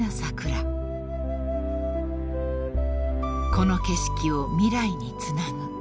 ［この景色を未来につなぐ］